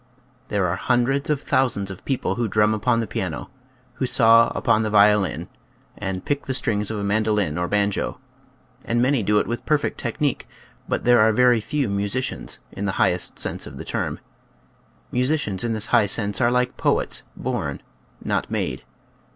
There are hundreds of thousands of people who drum upon the piano, who saw upon the violin, and pick the strings of a mandolin or banjo, and many do it with perfect technique, but there are very few musicians in the high est sense of the term. Musicians in this high sense are like poets, born, not made.